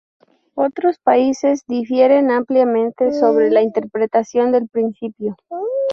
Otros países difieren ampliamente sobre la interpretación del principio.